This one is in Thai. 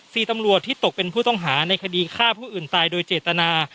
ตำรวจที่ตกเป็นผู้ต้องหาในคดีฆ่าผู้อื่นตายโดยเจตนา